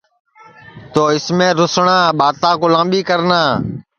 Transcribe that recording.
تو اُس میں روسٹؔا ٻاتا کُو لامٻی کرنا